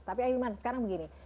tapi ailman sekarang begini